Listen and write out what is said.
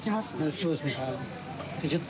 そうですねはい。